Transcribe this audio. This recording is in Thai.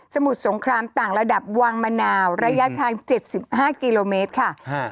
มุดสงครามต่างระดับวังมะนาวระยะทาง๗๕กิโลเมตรค่ะ